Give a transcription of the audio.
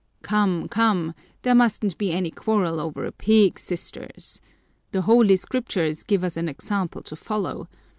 "Come, come, there mustn't be any quarrel over a pig, Sisters! The Holy Scriptures give us an example to follow.